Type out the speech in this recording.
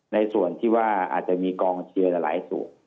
ในส่วนที่ว่าอาจจะมีกองเชียร์หลายสูตร